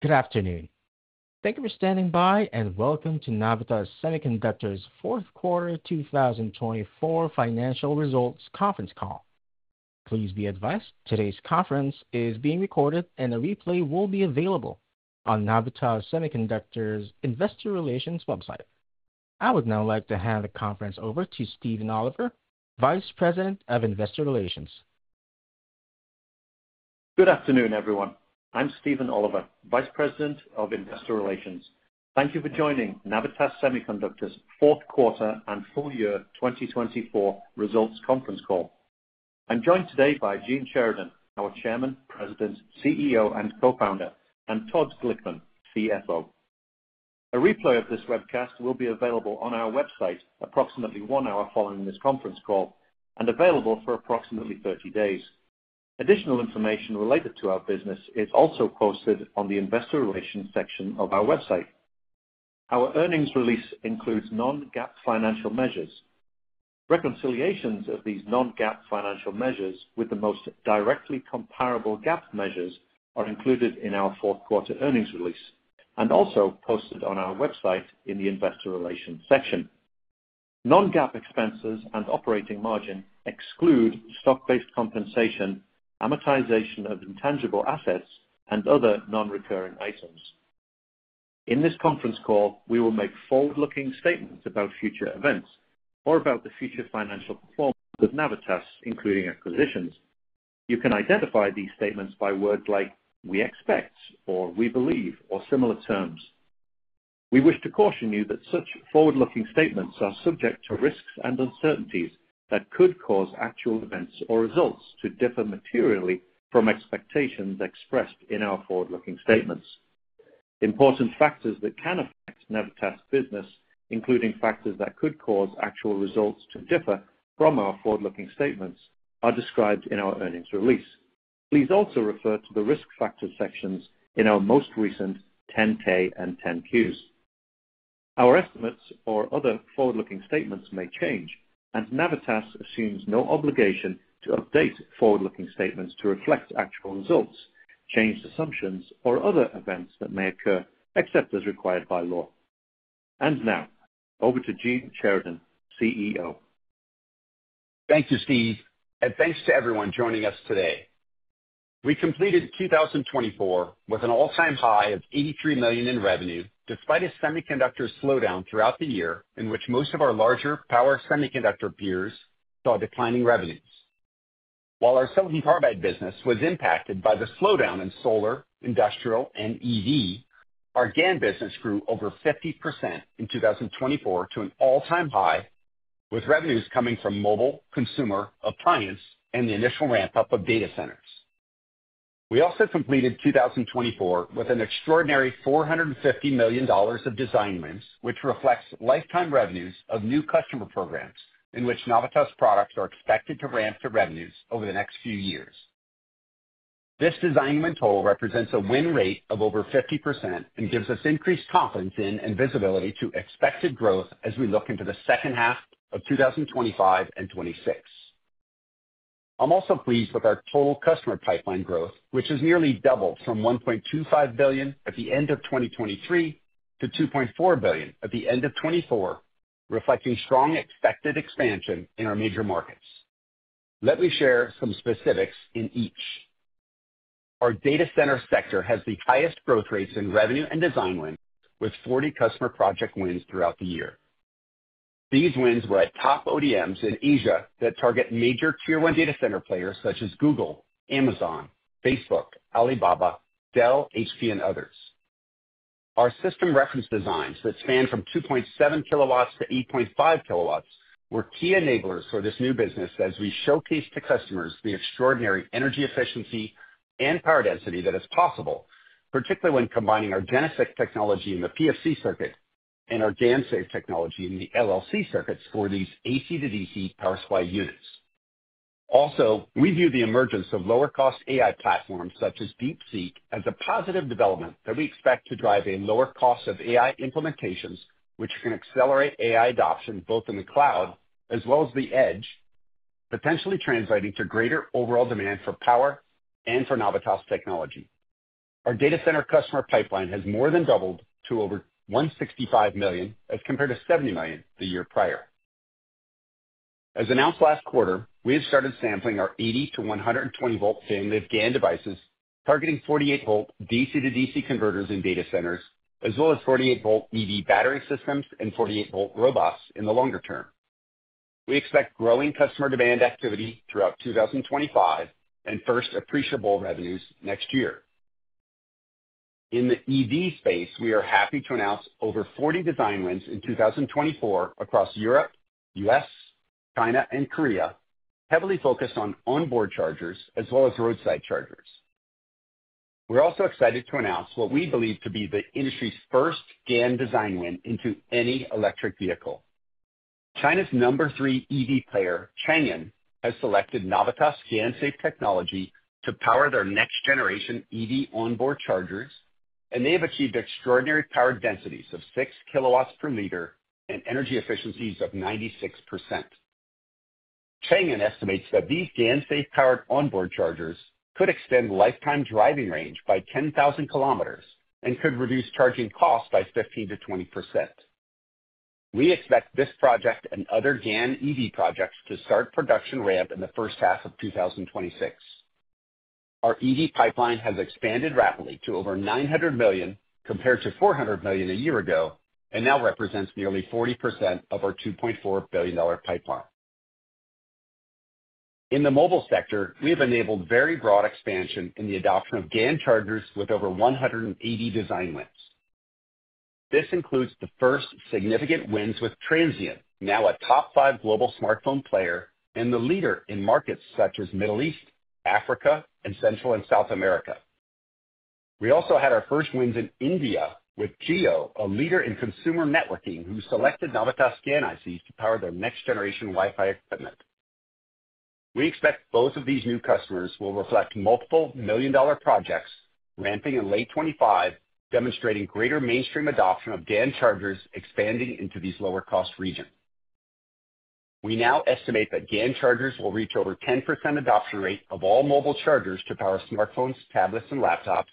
Good afternoon. Thank you for standing by, and welcome to Navitas Semiconductor's Fourth Quarter 2024 Financial Results Conference Call. Please be advised today's conference is being recorded, and a replay will be available on Navitas Semiconductor's Investor Relations website. I would now like to hand the conference over to Stephen Oliver, Vice President of Investor Relations. Good afternoon, everyone. I'm Stephen Oliver, Vice President of Investor Relations. Thank you for joining Navitas Semiconductor's Fourth Quarter and Full Year 2024 Results Conference Call. I'm joined today by Gene Sheridan, our Chairman, President, CEO, and Co-founder, and Todd Glickman, CFO. A replay of this webcast will be available on our website approximately one hour following this conference call and available for approximately 30 days. Additional information related to our business is also posted on the Investor Relations section of our website. Our earnings release includes non-GAAP financial measures. Reconciliations of these non-GAAP financial measures with the most directly comparable GAAP measures are included in our Fourth Quarter earnings release and also posted on our website in the Investor Relations section. Non-GAAP expenses and operating margin exclude stock-based compensation, amortization of intangible assets, and other non-recurring items. In this conference call, we will make forward-looking statements about future events or about the future financial performance of Navitas, including acquisitions. You can identify these statements by words like "we expect" or "we believe" or similar terms. We wish to caution you that such forward-looking statements are subject to risks and uncertainties that could cause actual events or results to differ materially from expectations expressed in our forward-looking statements. Important factors that can affect Navitas' business, including factors that could cause actual results to differ from our forward-looking statements, are described in our earnings release. Please also refer to the risk factor sections in our most recent 10-K and 10-Qs. Our estimates or other forward-looking statements may change, and Navitas assumes no obligation to update forward-looking statements to reflect actual results, changed assumptions, or other events that may occur except as required by law. Now, over to Gene Sheridan, CEO. Thank you, Steve, and thanks to everyone joining us today. We completed 2024 with an all-time high of $83 million in revenue despite a semiconductor slowdown throughout the year in which most of our larger power semiconductor peers saw declining revenues. While our silicon carbide business was impacted by the slowdown in solar, industrial, and EV, our GaN business grew over 50% in 2024 to an all-time high, with revenues coming from mobile consumer appliance and the initial ramp-up of data centers. We also completed 2024 with an extraordinary $450 million of design wins, which reflects lifetime revenues of new customer programs in which Navitas products are expected to ramp to revenues over the next few years. This design win total represents a win rate of over 50% and gives us increased confidence in and visibility to expected growth as we look into the second half of 2025 and 2026. I'm also pleased with our total customer pipeline growth, which has nearly doubled from $1.25 billion at the end of 2023 to $2.4 billion at the end of 2024, reflecting strong expected expansion in our major markets. Let me share some specifics in each. Our data center sector has the highest growth rates in revenue and design win, with 40 customer project wins throughout the year. These wins were at top ODMs in Asia that target major Tier 1 data center players such as Google, Amazon, Facebook, Alibaba, Dell, HP, and others. Our system reference designs that span from 2.7kW to 8.5kW were key enablers for this new business as we showcased to customers the extraordinary energy efficiency and power density that is possible, particularly when combining our GeneSiC technology in the PFC circuit and our GaNSafe technology in the LLC circuits for these AC-to-DC power supply units. Also, we view the emergence of lower-cost AI platforms such as DeepSeek as a positive development that we expect to drive a lower cost of AI implementations, which can accelerate AI adoption both in the cloud as well as the edge, potentially translating to greater overall demand for power and for Navitas technology. Our data center customer pipeline has more than doubled to over $165 million as compared to $70 million the year prior. As announced last quarter, we have started sampling our 80V-to-120V family of GaN devices, targeting 48-volt DC-to-DC converters in data centers, as well as 48V EV battery systems and 48V robots in the longer term. We expect growing customer demand activity throughout 2025 and first appreciable revenues next year. In the EV space, we are happy to announce over 40 design wins in 2024 across Europe, the U.S., China, and Korea, heavily focused on onboard chargers as well as roadside chargers. We're also excited to announce what we believe to be the industry's first GaN design win into any electric vehicle. China's number three EV player, Changan, has selected Navitas GaNSafe technology to power their next-generation EV onboard chargers, and they have achieved extraordinary power densities of 6kW per meter and energy efficiencies of 96%. Changan estimates that these GaNSafe-powered onboard chargers could extend lifetime driving range by 10,000km and could reduce charging costs by 15%-20%. We expect this project and other GaN EV projects to start production ramp in the first half of 2026. Our EV pipeline has expanded rapidly to over $900 million compared to $400 million a year ago and now represents nearly 40% of our $2.4 billion pipeline. In the mobile sector, we have enabled very broad expansion in the adoption of GaN chargers with over 180 design wins. This includes the first significant wins with Transsion, now a top five global smartphone player and the leader in markets such as the Middle East, Africa, and Central and South America. We also had our first wins in India with Jio, a leader in consumer networking, who selected Navitas GaN ICs to power their next-generation Wi-Fi equipment. We expect both of these new customers will reflect multiple million-dollar projects ramping in late 2025, demonstrating greater mainstream adoption of GaN chargers expanding into these lower-cost regions. We now estimate that GaN chargers will reach over 10% adoption rate of all mobile chargers to power smartphones, tablets, and laptops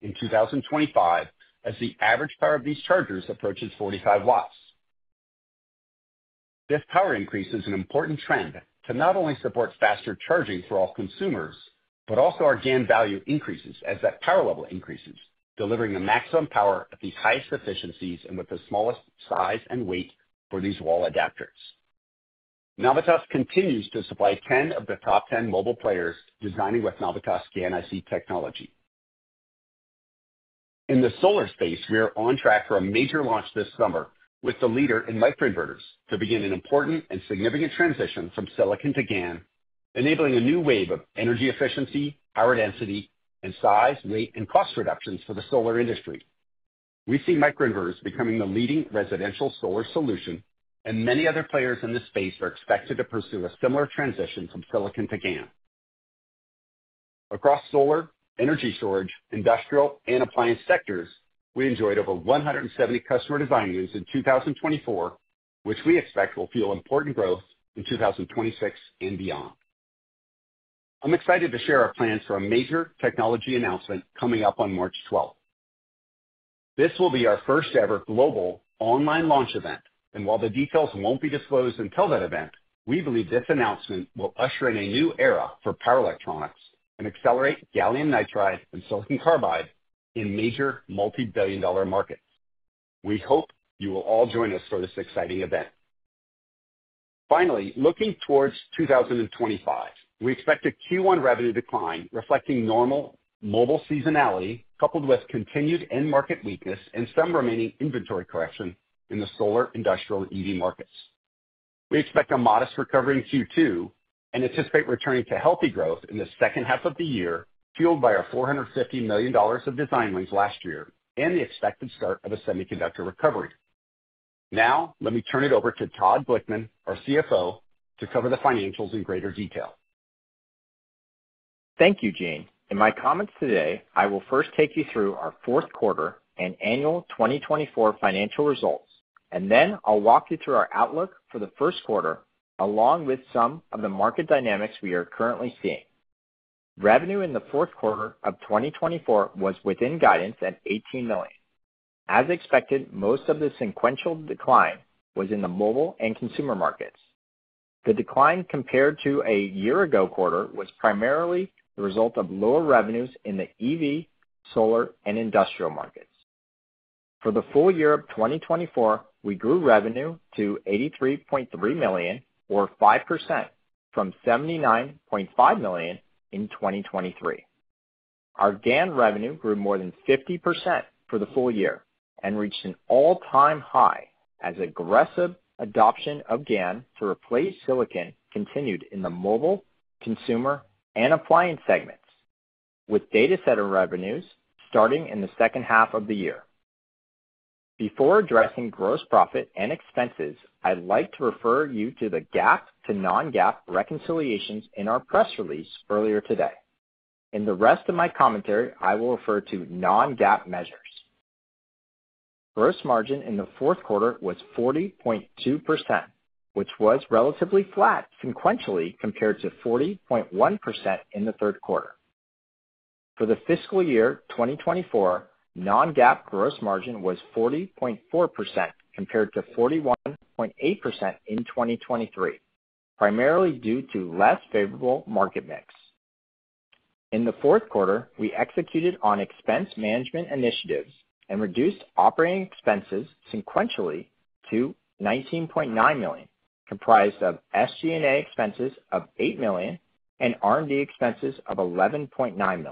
in 2025 as the average power of these chargers approaches 45W. This power increase is an important trend to not only support faster charging for all consumers, but also our GaN value increases as that power level increases, delivering the maximum power at the highest efficiencies and with the smallest size and weight for these wall adapters. Navitas continues to supply 10 of the top 10 mobile players designing with Navitas GaN IC technology. In the solar space, we are on track for a major launch this summer with the leader in microinverters to begin an important and significant transition from silicon to GaN, enabling a new wave of energy efficiency, power density, and size, weight, and cost reductions for the solar industry. We see microinverters becoming the leading residential solar solution, and many other players in this space are expected to pursue a similar transition from silicon to GaN. Across solar, energy storage, industrial, and appliance sectors, we enjoyed over 170 customer design wins in 2024, which we expect will fuel important growth in 2026 and beyond. I'm excited to share our plans for a major technology announcement coming up on March 12th. This will be our first-ever global online launch event, and while the details won't be disclosed until that event, we believe this announcement will usher in a new era for power electronics and accelerate gallium nitride and silicon carbide in major multi-billion-dollar markets. We hope you will all join us for this exciting event. Finally, looking towards 2025, we expect a Q1 revenue decline reflecting normal mobile seasonality coupled with continued end-market weakness and some remaining inventory correction in the solar industrial EV markets. We expect a modest recovery in Q2 and anticipate returning to healthy growth in the second half of the year, fueled by our $450 million of design wins last year and the expected start of a semiconductor recovery. Now, let me turn it over to Todd Glickman, our CFO, to cover the financials in greater detail. Thank you, Gene. In my comments today, I will first take you through our Fourth Quarter and Annual 2024 Financial Results, and then I'll walk you through our outlook for the First Quarter along with some of the market dynamics we are currently seeing. Revenue in the Fourth Quarter of 2024 was within guidance at $18 million. As expected, most of the sequential decline was in the mobile and consumer markets. The decline compared to a year-ago quarter was primarily the result of lower revenues in the EV, solar, and industrial markets. For the full year of 2024, we grew revenue to $83.3 million, or 5% from $79.5 million in 2023. Our GaN revenue grew more than 50% for the full year and reached an all-time high as aggressive adoption of GaN to replace silicon continued in the mobile, consumer, and appliance segments, with data center revenues starting in the second half of the year. Before addressing gross profit and expenses, I'd like to refer you to the GAAP to non-GAAP reconciliations in our press release earlier today. In the rest of my commentary, I will refer to non-GAAP measures. Gross margin in the fourth quarter was 40.2%, which was relatively flat sequentially compared to 40.1% in the third quarter. For the fiscal year 2024, non-GAAP gross margin was 40.4% compared to 41.8% in 2023, primarily due to less favorable market mix. In the Fourth Quarter, we executed on expense management initiatives and reduced operating expenses sequentially to $19.9 million, comprised of SG&A expenses of $8 million and R&D expenses of $11.9 million.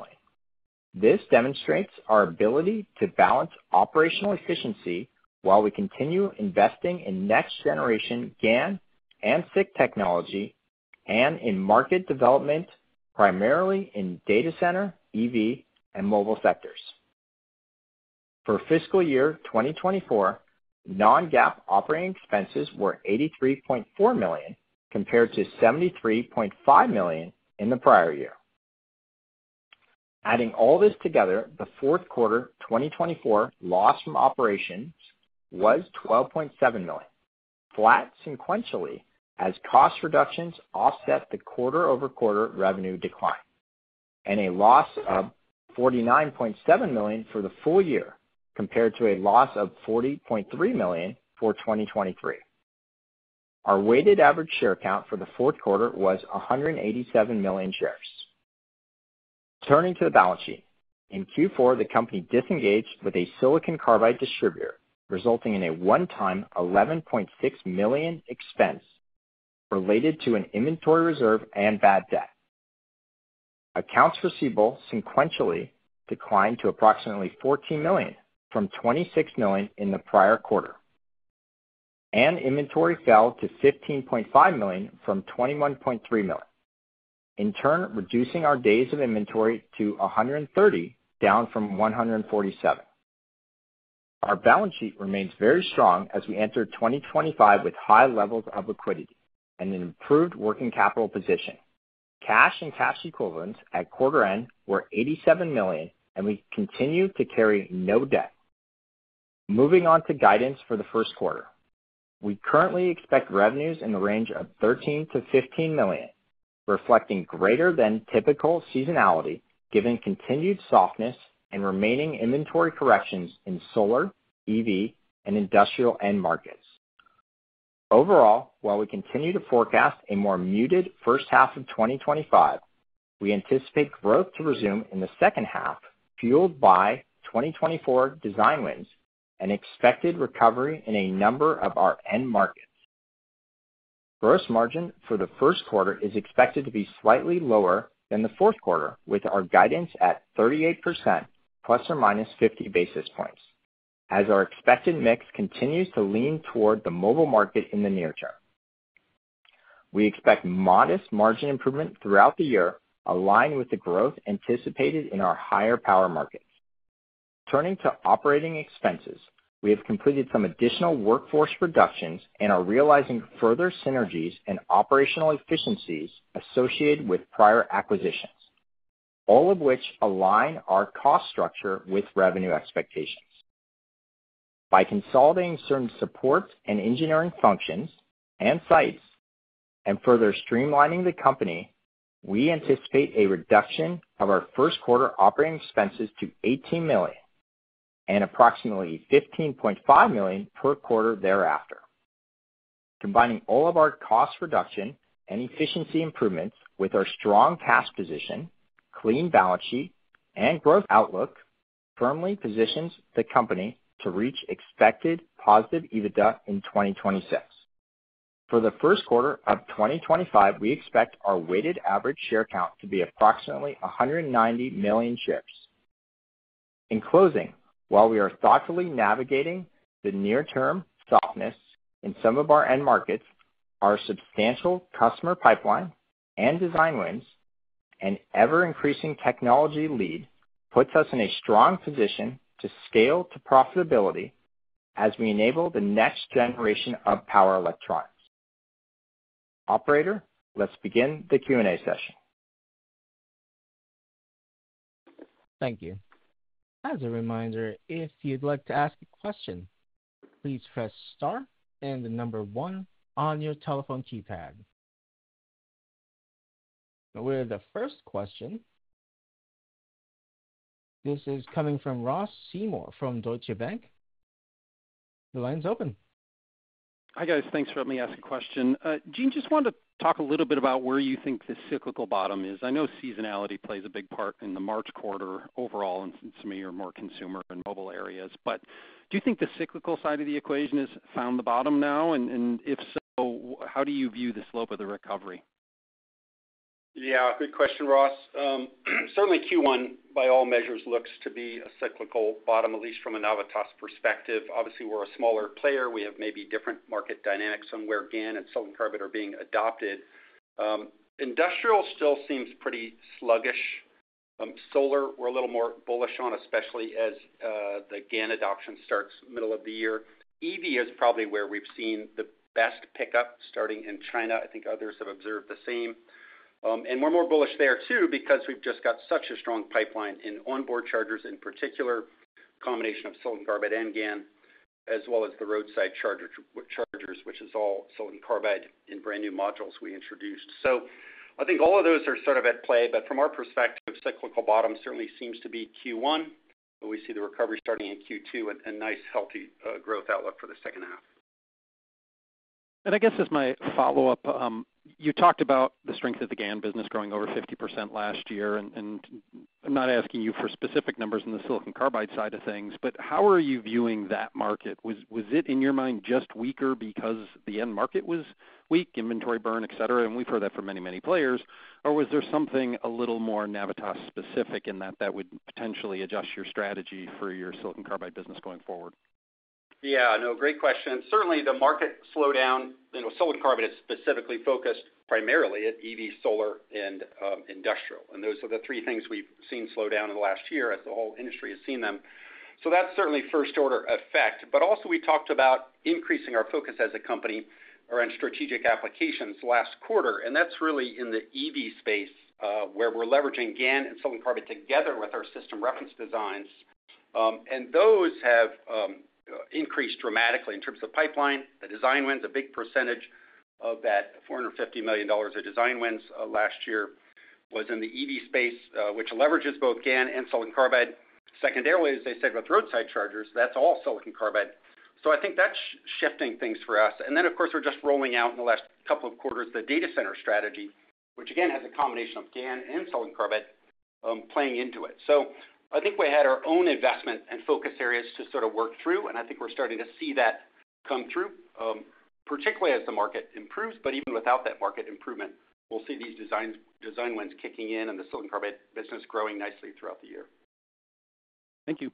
This demonstrates our ability to balance operational efficiency while we continue investing in next-generation GaN and SiC technology and in market development, primarily in data center, EV, and mobile sectors. For fiscal year 2024, non-GAAP operating expenses were $83.4 million compared to $73.5 million in the prior year. Adding all this together, the Fourth Quarter 2024 loss from operations was $12.7 million, flat sequentially as cost reductions offset the quarter-over-quarter revenue decline, and a loss of $49.7 million for the full year compared to a loss of $40.3 million for 2023. Our weighted average share count for the Fourth Quarter was 187 million shares. Turning to the balance sheet, in Q4, the company disengaged with a silicon carbide distributor, resulting in a one-time $11.6 million expense related to an inventory reserve and bad debt. Accounts receivable sequentially declined to approximately $14 million from $26 million in the prior quarter, and inventory fell to $15.5 million from $21.3 million, in turn reducing our days of inventory to 130, down from 147. Our balance sheet remains very strong as we enter 2025 with high levels of liquidity and an improved working capital position. Cash and cash equivalents at quarter-end were $87 million, and we continue to carry no debt. Moving on to guidance for the First Quarter, we currently expect revenues in the range of $13 million-$15 million, reflecting greater than typical seasonality given continued softness and remaining inventory corrections in solar, EV, and industrial end markets. Overall, while we continue to forecast a more muted first half of 2025, we anticipate growth to resume in the second half, fueled by 2024 design wins and expected recovery in a number of our end markets. Gross margin for the First Quarter is expected to be slightly lower than the Fourth Quarter, with our guidance at 38%, ±50 basis points, as our expected mix continues to lean toward the mobile market in the near term. We expect modest margin improvement throughout the year, aligned with the growth anticipated in our higher power markets. Turning to operating expenses, we have completed some additional workforce reductions and are realizing further synergies and operational efficiencies associated with prior acquisitions, all of which align our cost structure with revenue expectations. By consolidating certain support and engineering functions and sites and further streamlining the company, we anticipate a reduction of our First Quarter operating expenses to $18 million and approximately $15.5 million per quarter thereafter. Combining all of our cost reduction and efficiency improvements with our strong cash position, clean balance sheet, and growth outlook firmly positions the company to reach expected positive EBITDA in 2026. For the First Quarter of 2025, we expect our weighted average share count to be approximately 190 million shares. In closing, while we are thoughtfully navigating the near-term softness in some of our end markets, our substantial customer pipeline and design wins, and ever-increasing technology lead puts us in a strong position to scale to profitability as we enable the next generation of power electronics. Operator, let's begin the Q&A session. Thank you. As a reminder, if you'd like to ask a question, please press star and the number one on your telephone keypad. We're at the first question. This is coming from Ross Seymore from Deutsche Bank. The line's open. Hi guys, thanks for letting me ask a question. Gene, just wanted to talk a little bit about where you think the cyclical bottom is. I know seasonality plays a big part in the March quarter overall in some of your more consumer and mobile areas, but do you think the cyclical side of the equation has found the bottom now? And if so, how do you view the slope of the recovery? Yeah, good question, Ross. Certainly, Q1, by all measures, looks to be a cyclical bottom, at least from a Navitas perspective. Obviously, we're a smaller player. We have maybe different market dynamics on where GaN and silicon carbide are being adopted. Industrial still seems pretty sluggish. Solar, we're a little more bullish on, especially as the GaN adoption starts middle of the year. EV is probably where we've seen the best pickup, starting in China. I think others have observed the same, and we're more bullish there too because we've just got such a strong pipeline in onboard chargers in particular, a combination of silicon carbide and GaN, as well as the roadside chargers, which is all silicon carbide and brand new modules we introduced. So I think all of those are sort of at play, but from our perspective, cyclical bottom certainly seems to be Q1, but we see the recovery starting in Q2 and a nice healthy growth outlook for the second half. I guess as my follow-up, you talked about the strength of the GaN business growing over 50% last year, and I'm not asking you for specific numbers on the silicon carbide side of things, but how are you viewing that market? Was it, in your mind, just weaker because the end market was weak, inventory burn, et cetera? And we've heard that from many, many players. Or was there something a little more Navitas specific in that that would potentially adjust your strategy for your silicon carbide business going forward? Yeah, no, great question. Certainly, the market slowdown. Silicon carbide is specifically focused primarily at EV, solar, and industrial. And those are the three things we've seen slow down in the last year as the whole industry has seen them. So that's certainly first-order effect. But also, we talked about increasing our focus as a company around strategic applications last quarter, and that's really in the EV space where we're leveraging GaN and silicon carbide together with our system reference designs. And those have increased dramatically in terms of pipeline. The design wins, a big percentage of that $450 million of design wins last year was in the EV space, which leverages both GaN and silicon carbide. Secondarily, as I said, with roadside chargers, that's all silicon carbide. So I think that's shifting things for us. And then, of course, we're just rolling out in the last couple of quarters the data center strategy, which again has a combination of GaN and silicon carbide playing into it. So I think we had our own investment and focus areas to sort of work through, and I think we're starting to see that come through, particularly as the market improves. But even without that market improvement, we'll see these design wins kicking in and the silicon carbide business growing nicely throughout the year. Thank you.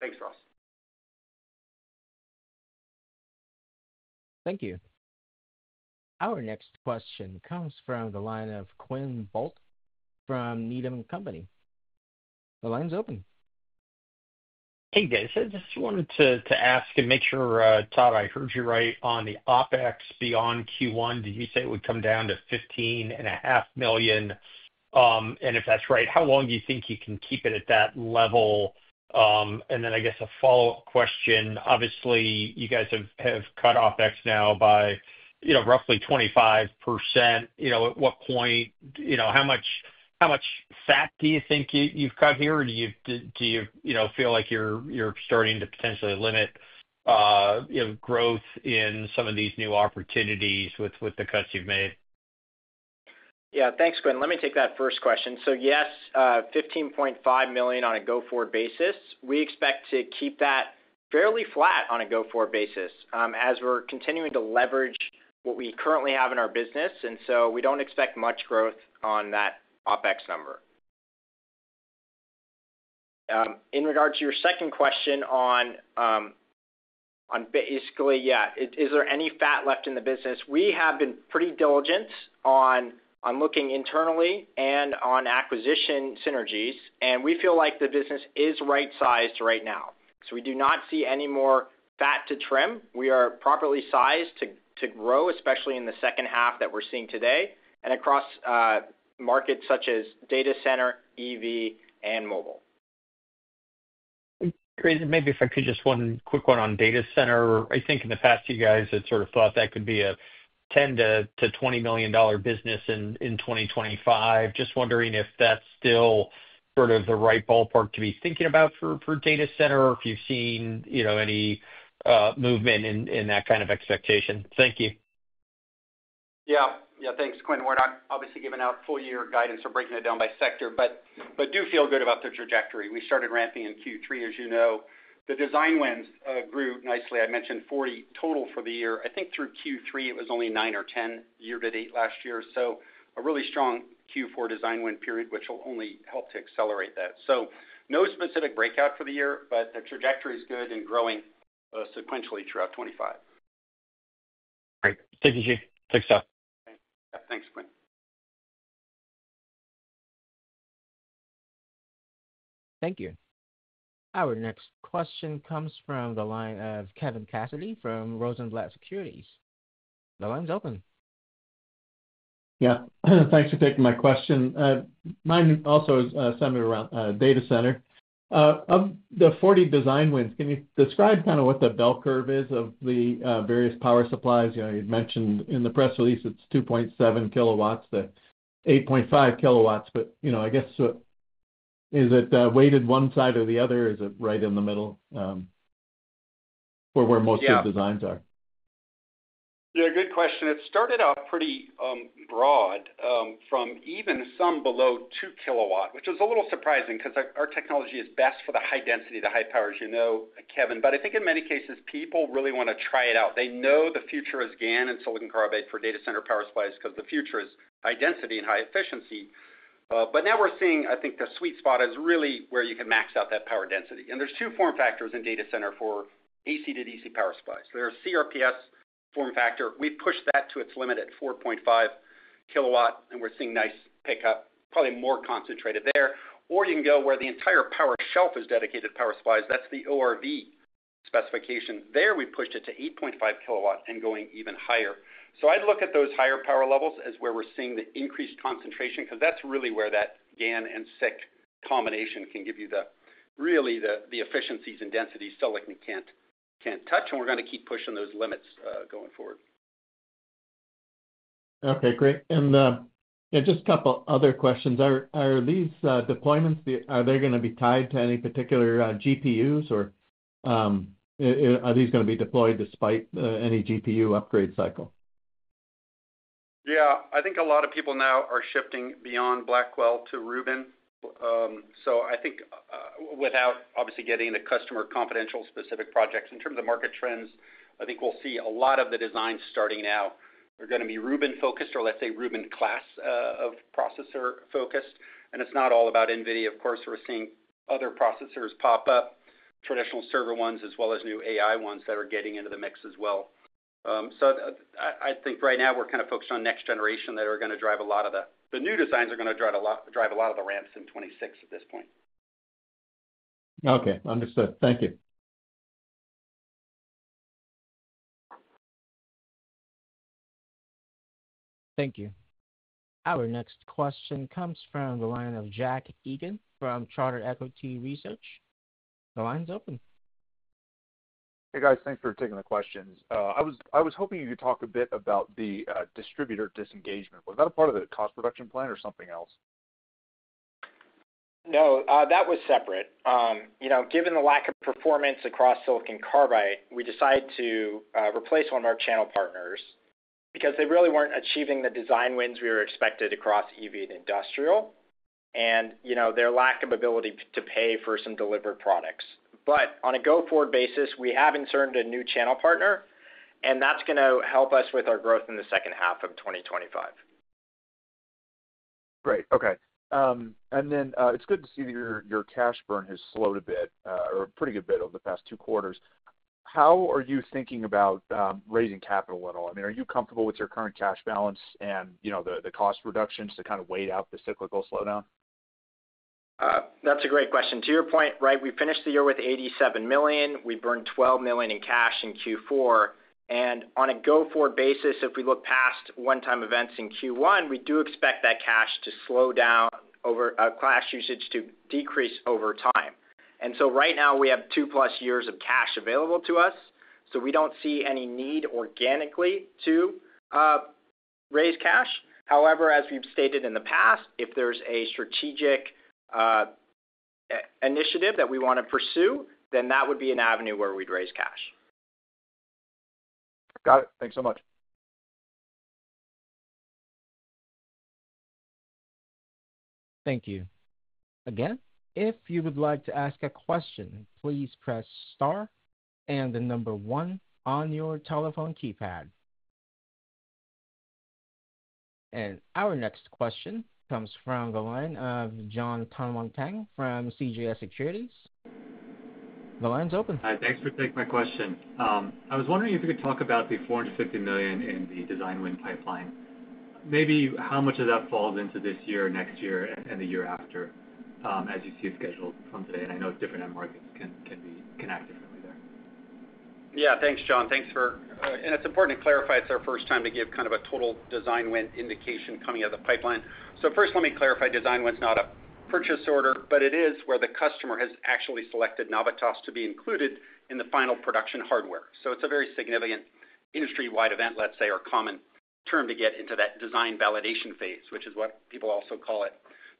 Thanks, Ross. Thank you. Our next question comes from the line of Quinn Bolt from Needham & Company. The line's open. Hey, guys. I just wanted to ask and make sure, Todd, I heard you right, on the OpEx beyond Q1, did you say it would come down to $15.5 million? And if that's right, how long do you think you can keep it at that level? And then I guess a follow-up question. Obviously, you guys have cut OpEx now by roughly 25%. At what point, how much fat do you think you've cut here? Do you feel like you're starting to potentially limit growth in some of these new opportunities with the cuts you've made? Yeah, thanks, Quinn. Let me take that first question. So yes, $15.5 million on a go-forward basis. We expect to keep that fairly flat on a go-forward basis as we're continuing to leverage what we currently have in our business, and so we don't expect much growth on that OpEx number. In regards to your second question on basically, yeah, is there any fat left in the business? We have been pretty diligent on looking internally and on acquisition synergies, and we feel like the business is right-sized right now. So we do not see any more fat to trim. We are properly sized to grow, especially in the second half that we're seeing today and across markets such as data center, EV, and mobile. Craig, maybe if I could just one quick one on data center. I think in the past, you guys had sort of thought that could be a $10 million-$20 million business in 2025. Just wondering if that's still sort of the right ballpark to be thinking about for data center or if you've seen any movement in that kind of expectation. Thank you. Yeah, yeah, thanks, Quinn. We're not obviously giving out full-year guidance or breaking it down by sector, but do feel good about the trajectory. We started ramping in Q3, as you know. The design wins grew nicely. I mentioned 40 total for the year. I think through Q3, it was only 9 or 10 year-to-date last year. So a really strong Q4 design win period, which will only help to accelerate that. So no specific breakout for the year, but the trajectory is good and growing sequentially throughout 2025. All right. Thank you, Gene. Thanks, Todd. Thanks, Quinn. Thank you. Our next question comes from the line of Kevin Cassidy from Rosenblatt Securities. The line's open. Yeah, thanks for taking my question. Mine also is centered around data center. Of the 40 design wins, can you describe kind of what the bell curve is of the various power supplies? You mentioned in the press release it's 2.7kW, the 8.5kW, but I guess, is it weighted one side or the other? Is it right in the middle for where most of the designs are? Yeah, good question. It started off pretty broad from even some below two kilowatt, which was a little surprising because our technology is best for the high density, the high power, as you know, Kevin. But I think in many cases, people really want to try it out. They know the future is GaN and silicon carbide for data center power supplies because the future is high density and high efficiency. But now we're seeing, I think the sweet spot is really where you can max out that power density. And there's two form factors in data center for AC to DC power supplies. There are CRPS form factor. We've pushed that to its limit at 4.5kW, and we're seeing nice pickup, probably more concentrated there. Or you can go where the entire power shelf is dedicated power supplies. That's the ORV specification. There, we pushed it to 8.5kW and going even higher, so I'd look at those higher power levels as where we're seeing the increased concentration because that's really where that GaN and SiC combination can give you really the efficiencies and density silicon can't touch, and we're going to keep pushing those limits going forward. Okay, great. And just a couple of other questions. Are these deployments, are they going to be tied to any particular GPUs, or are these going to be deployed despite any GPU upgrade cycle? Yeah, I think a lot of people now are shifting beyond Blackwell to Rubin. So I think without obviously getting into customer confidential specific projects, in terms of market trends, I think we'll see a lot of the designs starting now. They're going to be Rubin-focused or, let's say, Rubin-class of processor focused. And it's not all about NVIDIA, of course. We're seeing other processors pop up, traditional server ones as well as new AI ones that are getting into the mix as well. So I think right now we're kind of focused on next generation that are going to drive a lot of the new designs and ramps in 2026 at this point. Okay, understood. Thank you. Thank you. Our next question comes from the line of Jack Egan from Charter Equity Research. The line's open. Hey guys, thanks for taking the questions. I was hoping you could talk a bit about the distributor disengagement. Was that a part of the cost production plan or something else? No, that was separate. Given the lack of performance across silicon carbide, we decided to replace one of our channel partners because they really weren't achieving the design wins we expected across EV and industrial, and their lack of ability to pay for some delivered products. But on a go-forward basis, we have inserted a new channel partner, and that's going to help us with our growth in the second half of 2025. Great. Okay. And then it's good to see that your cash burn has slowed a bit, or a pretty good bit over the past two quarters. How are you thinking about raising capital at all? I mean, are you comfortable with your current cash balance and the cost reductions to kind of wait out the cyclical slowdown? That's a great question. To your point, right, we finished the year with $87 million. We burned $12 million in cash in Q4, and on a go-forward basis, if we look past one-time events in Q1, we do expect that cash to slow down over cash usage to decrease over time, and so right now, we have 2+ years of cash available to us, so we don't see any need organically to raise cash. However, as we've stated in the past, if there's a strategic initiative that we want to pursue, then that would be an avenue where we'd raise cash. Got it. Thanks so much. Thank you. Again, if you would like to ask a question, please press star and the number one on your telephone keypad. And our next question comes from the line of Jon Tanwanteng from CJS Securities. The line's open. Hi, thanks for taking my question. I was wondering if you could talk about the $450 million in the design win pipeline. Maybe how much of that falls into this year, next year, and the year after as you see it scheduled from today? And I know different end markets can act differently there. Yeah, thanks, Jon. Thanks for—and it's important to clarify it's our first time to give kind of a total design win indication coming out of the pipeline. So first, let me clarify, design win's not a purchase order, but it is where the customer has actually selected Navitas to be included in the final production hardware. So it's a very significant industry-wide event, let's say, or common term to get into that design validation phase, which is what people also call it.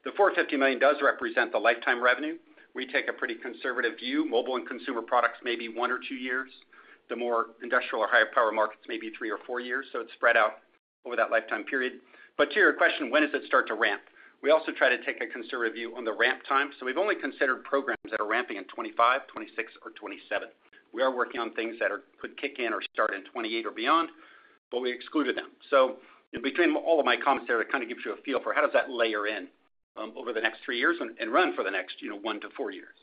The $450 million does represent the lifetime revenue. We take a pretty conservative view. Mobile and consumer products may be one or two years. The more industrial or higher power markets may be three or four years. So it's spread out over that lifetime period. But to your question, when does it start to ramp? We also try to take a conservative view on the ramp time. So we've only considered programs that are ramping in 2025, 2026, or 2027. We are working on things that could kick in or start in 2028 or beyond, but we excluded them. So between all of my comments there, it kind of gives you a feel for how does that layer in over the next three years and run for the next one to four years.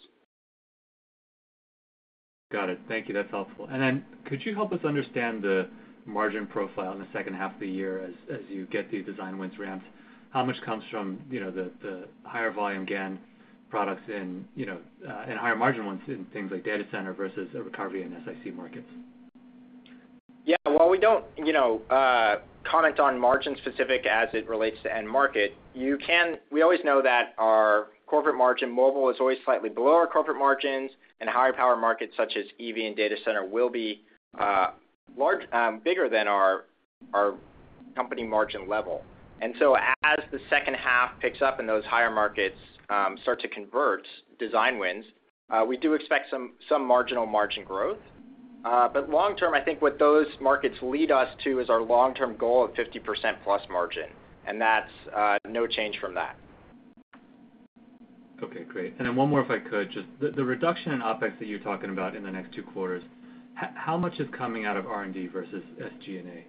Got it. Thank you. That's helpful. And then could you help us understand the margin profile in the second half of the year as you get these design wins ramped? How much comes from the higher volume GaN products and higher margin ones in things like data center versus recovery and SiC markets? Yeah. While we don't comment on margin specifics as it relates to end market, we always know that our corporate margin model is always slightly below our corporate margins, and higher power markets such as EV and data center will be bigger than our company margin level, and so as the second half picks up and those higher markets start to convert design wins, we do expect some marginal margin growth, but long term, I think what those markets lead us to is our long-term goal of 50% plus margin, and that's no change from that. Okay, great. And then one more, if I could, just the reduction in OpEx that you're talking about in the next two quarters, how much is coming out of R&D versus SG&A?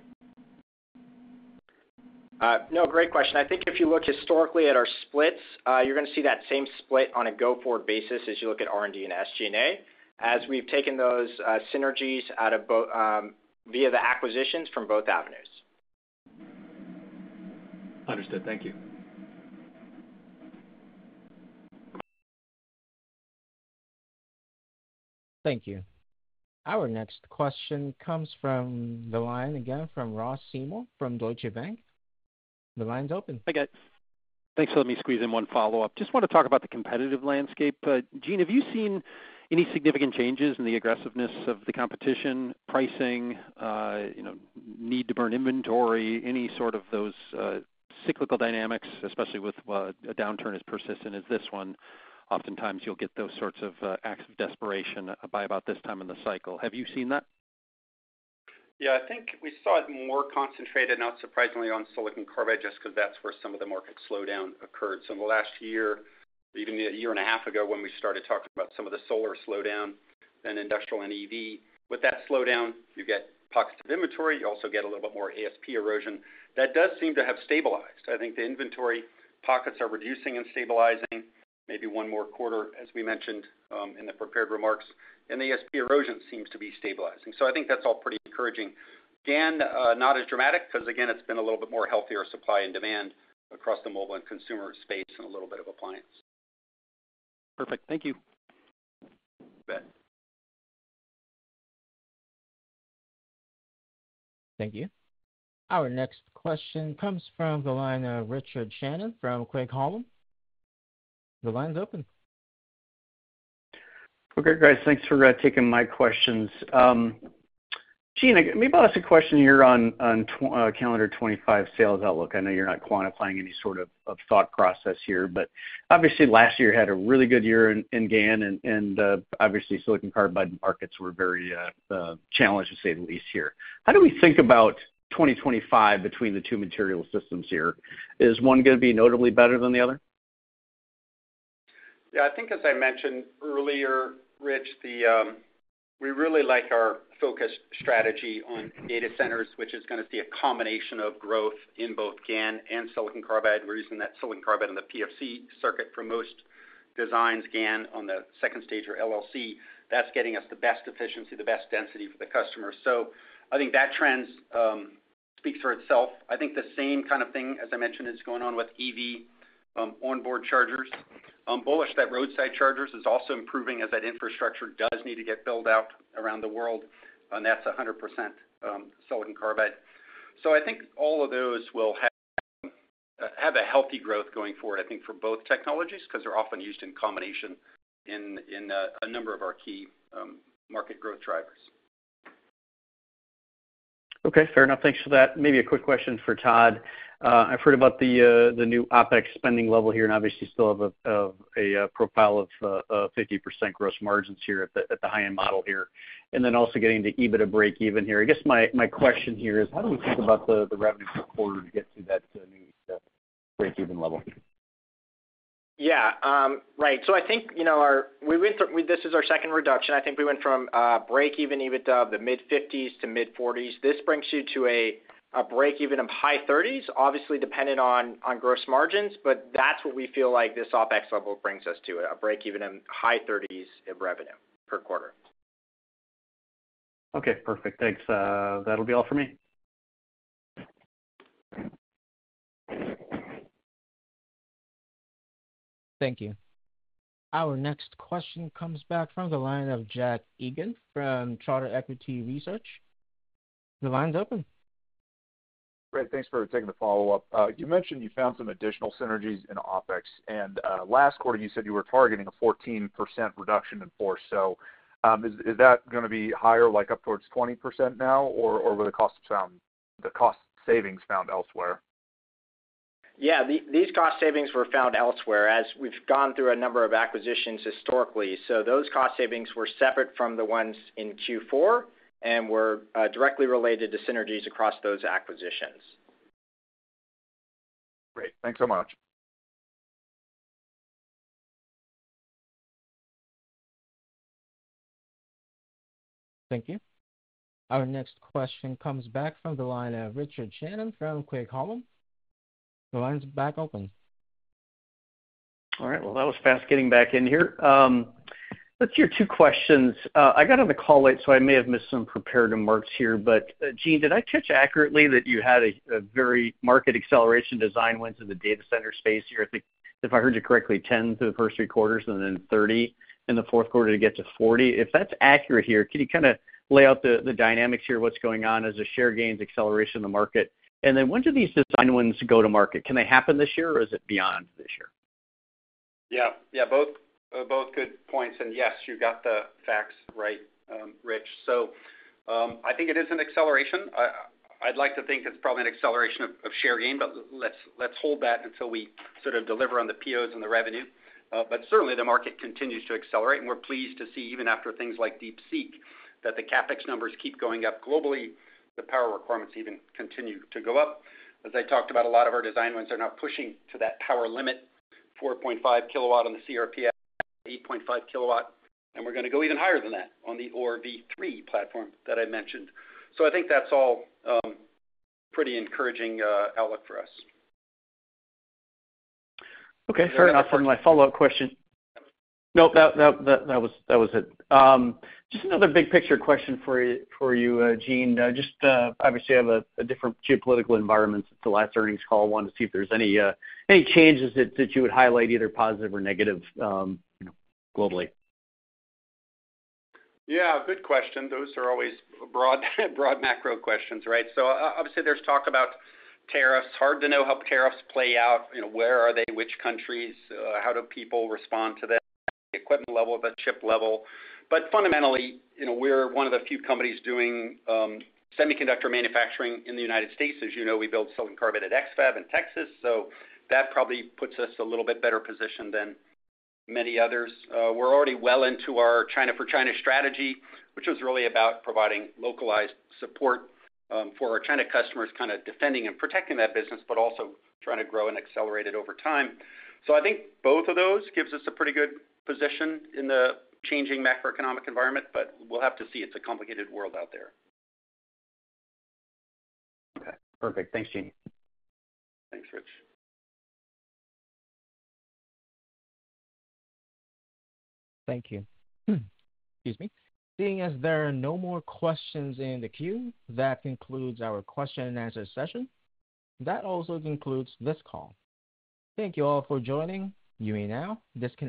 No, great question. I think if you look historically at our splits, you're going to see that same split on a go-forward basis as you look at R&D and SG&A as we've taken those synergies out of both via the acquisitions from both avenues. Understood. Thank you. Thank you. Our next question comes from the line again from Ross Seymore from Deutsche Bank. The line's open. Hi guys. Thanks for letting me squeeze in one follow-up. Just want to talk about the competitive landscape. Gene, have you seen any significant changes in the aggressiveness of the competition, pricing, need to burn inventory, any sort of those cyclical dynamics, especially with a downturn as persistent as this one? Oftentimes, you'll get those sorts of acts of desperation by about this time in the cycle. Have you seen that? Yeah, I think we saw it more concentrated, not surprisingly, on silicon carbide just because that's where some of the market slowdown occurred. So in the last year, even a year and a half ago when we started talking about some of the solar slowdown and industrial and EV, with that slowdown, you get pockets of inventory. You also get a little bit more ASP erosion. That does seem to have stabilized. I think the inventory pockets are reducing and stabilizing. Maybe one more quarter, as we mentioned in the prepared remarks, and the ASP erosion seems to be stabilizing. So I think that's all pretty encouraging. GaN, not as dramatic because, again, it's been a little bit more healthier supply and demand across the mobile and consumer space and a little bit of appliance. Perfect. Thank you. You bet. Thank you. Our next question comes from the line of Richard Shannon from Craig-Hallum. The line's open. Okay, guys, thanks for taking my questions. Gene, maybe I'll ask a question here on Calendar 2025 sales outlook. I know you're not quantifying any sort of thought process here, but obviously, last year had a really good year in GaN, and obviously, silicon carbide markets were very challenged, to say the least here. How do we think about 2025 between the two material systems here? Is one going to be notably better than the other? Yeah, I think, as I mentioned earlier, Rich, we really like our focused strategy on data centers, which is going to see a combination of growth in both GaN and silicon carbide. We're using that silicon carbide in the PFC circuit for most designs, GaN on the second stage or LLC. That's getting us the best efficiency, the best density for the customer. So I think that trend speaks for itself. I think the same kind of thing, as I mentioned, is going on with EV onboard chargers. Also, those roadside chargers is also improving as that infrastructure does need to get built out around the world, and that's 100% silicon carbide. So I think all of those will have a healthy growth going forward, I think, for both technologies because they're often used in combination in a number of our key market growth drivers. Okay, fair enough. Thanks for that. Maybe a quick question for Todd. I've heard about the new OpEx spending level here and obviously still have a profile of 50% gross margins here at the high-end model here, and then also getting to EBITDA break-even here. I guess my question here is, how do we think about the revenue per quarter to get to that new break-even level? Yeah, right. So I think this is our second reduction. I think we went from break-even EBITDA of the mid-50s to mid-40s. This brings you to a break-even of high 30s, obviously dependent on gross margins, but that's what we feel like this OpEx level brings us to, a break-even in high 30s of revenue per quarter. Okay, perfect. Thanks. That'll be all for me. Thank you. Our next question comes back from the line of Jack Egan from Charter Equity Research. The line's open. Great. Thanks for taking the follow-up. You mentioned you found some additional synergies in OpEx, and last quarter, you said you were targeting a 14% reduction in force. So is that going to be higher, like up towards 20% now, or were the cost savings found elsewhere? Yeah, these cost savings were found elsewhere as we've gone through a number of acquisitions historically. So those cost savings were separate from the ones in Q4 and were directly related to synergies across those acquisitions. Great. Thanks so much. Thank you. Our next question comes back from the line of Richard Shannon from Craig-Hallum. The line's back open. All right. Well, that was fast getting back in here. Let's hear two questions. I got on the call late, so I may have missed some prepared remarks here. But Gene, did I catch accurately that you had a very market acceleration design win to the data center space here? I think, if I heard you correctly, 10 through the first three quarters and then 30 in the fourth quarter to get to 40. If that's accurate here, can you kind of lay out the dynamics here, what's going on as a share gains acceleration in the market? And then when do these design wins go to market? Can they happen this year, or is it beyond this year? Yeah. Yeah, both good points. And yes, you got the facts right, Rich. So I think it is an acceleration. I'd like to think it's probably an acceleration of share gain, but let's hold that until we sort of deliver on the POs and the revenue. But certainly, the market continues to accelerate, and we're pleased to see even after things like DeepSeek that the CapEx numbers keep going up globally. The power requirements even continue to go up. As I talked about, a lot of our design wins are now pushing to that power limit, 4.5kW on the CRPS, 8.5kW, and we're going to go even higher than that on the ORV3 platform that I mentioned. So I think that's all pretty encouraging outlook for us. Okay, fair enough. And my follow-up question. Nope, that was it. Just another big picture question for you, Gene. Just obviously, I have a different geopolitical environment since the last earnings call. Wanted to see if there's any changes that you would highlight, either positive or negative globally. Yeah, good question. Those are always broad macro questions, right? So obviously, there's talk about tariffs. Hard to know how tariffs play out. Where are they? Which countries? How do people respond to that? The equipment level, the chip level. But fundamentally, we're one of the few companies doing semiconductor manufacturing in the United States. As you know, we build silicon carbide at X-Fab in Texas. So that probably puts us a little bit better positioned than many others. We're already well into our China for China strategy, which was really about providing localized support for our China customers, kind of defending and protecting that business, but also trying to grow and accelerate it over time. So I think both of those give us a pretty good position in the changing macroeconomic environment, but we'll have to see. It's a complicated world out there. Okay. Perfect. Thanks, Gene. Thanks, Rich. Thank you. Excuse me. Seeing as there are no more questions in the queue, that concludes our question and answer session. That also concludes this call. Thank you all for joining. You may now disconnect.